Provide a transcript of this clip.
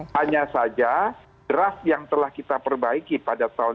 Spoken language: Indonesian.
hanya saja draft yang telah kita perbaiki pada tahun dua ribu dua puluh